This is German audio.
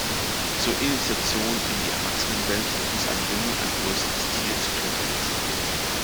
Zur Initiation in die Erwachsenenwelt muss ein Junge ein größeres Tier zu Tode hetzen.